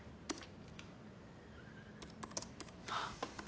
あっ！